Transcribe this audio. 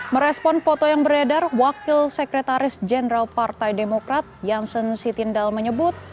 merespon foto yang beredar wakil sekretaris jenderal partai demokrat janssen sitindal menyebut